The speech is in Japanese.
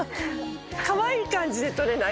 かわいい感じで撮れない？